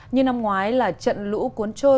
như năm ngoái là trận lũ cuốn trôi